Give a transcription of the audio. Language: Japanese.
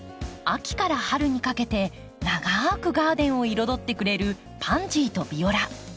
秋から春にかけて長くガーデンを彩ってくれるパンジーとビオラ。